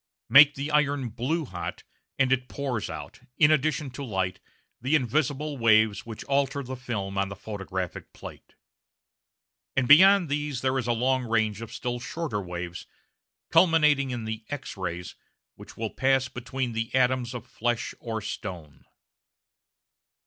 Make the iron "blue hot," and it pours out, in addition to light, the invisible waves which alter the film on the photographic plate. And beyond these there is a long range of still shorter waves, culminating in the X rays, which will pass between the atoms of flesh or stone.